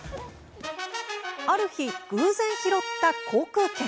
ある日、偶然拾った航空券。